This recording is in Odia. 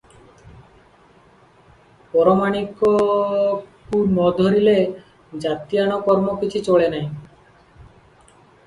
ପରମାଣିକ କୁ ନ ଧରିଲେ ଜାତିଆଣ କର୍ମ କିଛି ଚଳେ ନାହିଁ ।